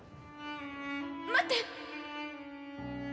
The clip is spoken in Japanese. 待って！